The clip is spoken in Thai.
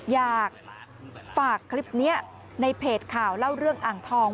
อยากฝากคลิปนี้ในเพจข่าวเล่าเรื่องอ่างทอง